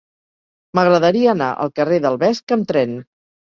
M'agradaria anar al carrer del Vesc amb tren.